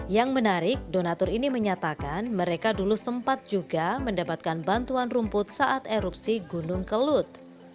yang menarik donatur ini menyatakan mereka dulu sempat juga mendapatkan bantuan rumput saat erupsi gunung kelut